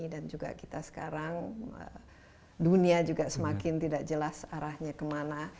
dan juga kita sekarang dunia juga semakin tidak jelas arahnya kemana